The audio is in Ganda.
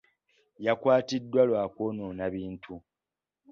Yakwatiddwa lwa kwonoona bintu.